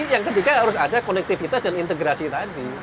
yang ketiga harus ada konektivitas dan integrasi tadi